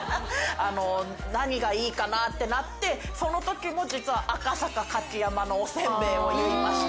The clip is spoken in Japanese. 何がいいかなってなってその時も実は赤坂柿山のおせんべいを言いました。